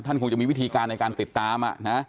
คงจะมีวิธีการในการติดตาม